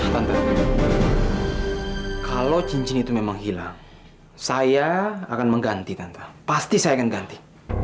tante kalau cincin itu memang hilang saya akan mengganti tante pasti saya akan ganti